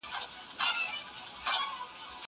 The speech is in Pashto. زه له پرون راهیسې کار کوم!